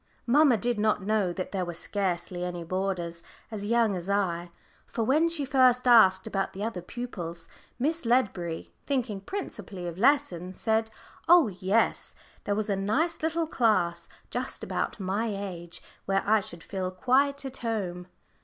Mamma did not know that there were scarcely any boarders as young as I, for when she first asked about the other pupils, Miss Ledbury, thinking principally of lessons, said, "oh yes," there was a nice little class just about my age, where I should feel quite at home.